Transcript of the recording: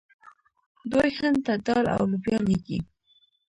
دوی هند ته دال او لوبیا لیږي.